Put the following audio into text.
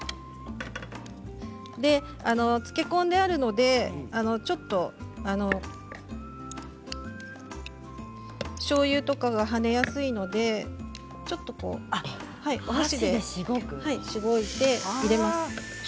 漬け込んであるのでちょっとしょうゆとかが跳ねやすいのでお箸でしごいて入れます。